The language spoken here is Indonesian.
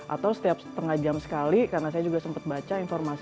atau setiap setengah jam sekali karena saya juga sempat baca informasi